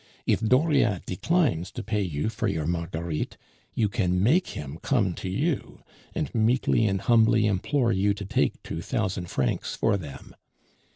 If Dauriat declines to pay you for your Marguerites, you can make him come to you, and meekly and humbly implore you to take two thousand francs for them.